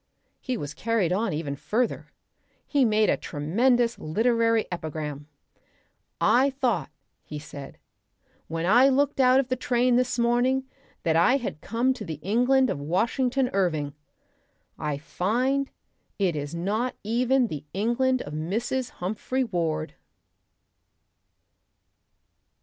He was carried on even further. He made a tremendous literary epigram. "I thought," he said, "when I looked out of the train this morning that I had come to the England of Washington Irving. I find it is not even the England of Mrs. Humphry Ward."